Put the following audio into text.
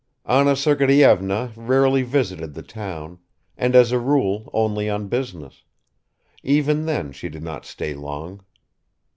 Anna Sergeyevna rarely visited the town, and as a rule only on business; even then she did not stay long.